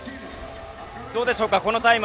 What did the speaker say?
どうでしょうかこのタイム。